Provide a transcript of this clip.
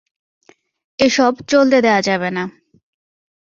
এসব চলতে দেয়া যাবে না।